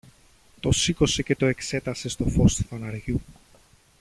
Το σήκωσε και το εξέτασε στο φως του φαναριού.